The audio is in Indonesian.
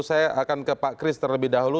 saya akan ke pak kris terlebih dahulu